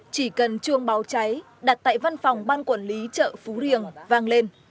chỉ cần chuông báo cháy đặt tại văn phòng ban quản lý chợ phú riêng vang lên